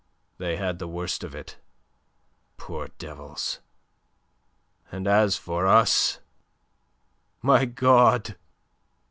They had the worst of it, poor devils. And as for us my God!